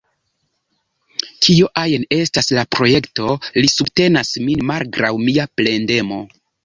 Kio ajn estas la projekto, li subtenas min malgraŭ mia plendemo.